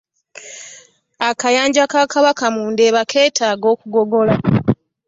Akayanja ka Kabaka mu Ndeeba keetaaga kugogola.